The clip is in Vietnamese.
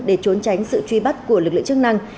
để trốn tránh sự truy bắt của lực lượng chức năng